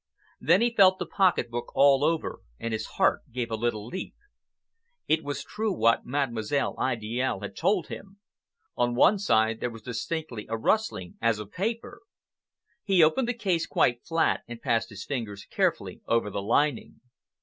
Then he felt the pocket book all over and his heart gave a little leap. It was true what Mademoiselle Idiale had told him. On one side there was distinctly a rustling as of paper. He opened the case quite flat and passed his fingers carefully over the lining.